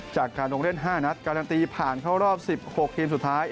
จากการลงเล่น๕นัดการันตีผ่านเข้ารอบ๑๖ทีมสุดท้าย